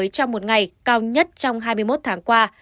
trong một ngày cao nhất trong hai mươi một tháng qua